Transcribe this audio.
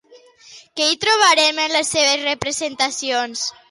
Què hi trobem en les seves representacions?